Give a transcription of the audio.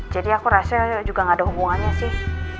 jadi aku rasa juga gak ada hubungannya sih